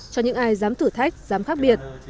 cho những ai dám thử thách dám khác biệt